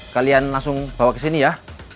kalian langsung bawa ke sini ya